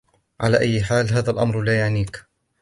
على أي حال ، هذا الأمر لا يعنيك.